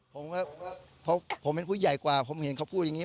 ผมก็เพราะผมเป็นผู้ใหญ่กว่าผมเห็นเขาพูดอย่างนี้